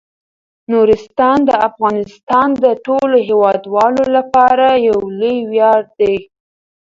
نورستان د افغانستان د ټولو هیوادوالو لپاره یو لوی ویاړ دی.